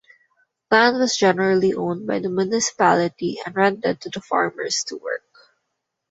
Land was generally owned by the municipality and rented to the farmers to work.